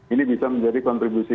ini bisa menjadi kontribusi